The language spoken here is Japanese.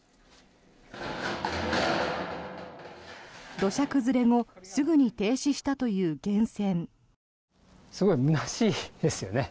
土砂崩れ後すぐに停止したという源泉。